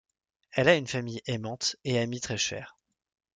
Elle a une famille aimante et amie très chère.